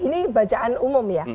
ini bacaan umum ya